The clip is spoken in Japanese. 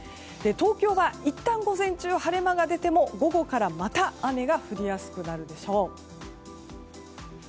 東京はいったん午前中は晴れ間が出ても午後からまた雨が降りやすくなるでしょう。